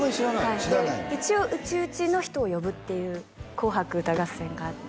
はいで一応内々の人を呼ぶっていう「紅白歌合戦」があって